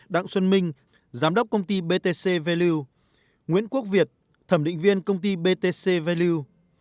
đặng xuân minh giám đốc công ty btc value nguyễn quốc việt thẩm định viên công ty btc value